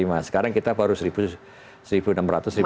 masih jauh di bawah target